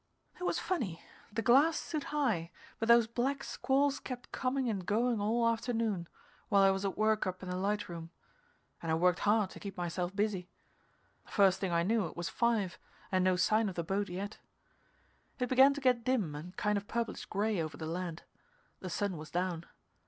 It was funny; the glass stood high, but those black squalls kept coming and going all afternoon, while I was at work up in the light room. And I worked hard, to keep myself busy. First thing I knew it was five, and no sign of the boat yet. It began to get dim and kind of purplish gray over the land. The sun was down.